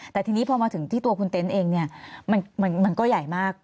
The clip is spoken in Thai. แต่ทีนี้พอมาถึงที่ตัวคุณเต็นต์เองเนี่ยมันก็ใหญ่มาก